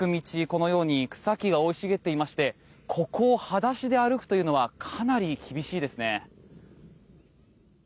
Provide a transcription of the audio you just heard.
このように草木が生い茂っていましてここを裸足で歩くというのはかなり厳しいですね。